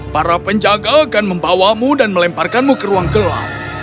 para penjaga akan membawamu dan melemparkanmu ke ruang gelap